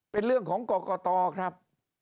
เป็นเรื่องของกรกตครับ